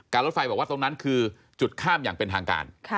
รถไฟบอกว่าตรงนั้นคือจุดข้ามอย่างเป็นทางการ